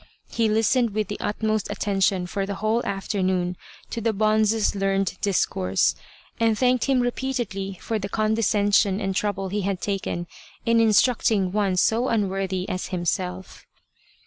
He listened with the utmost attention for the whole afternoon to the bonze's learned discourse, and thanked him repeatedly for the condescension and trouble he had taken in instructing one so unworthy as himself.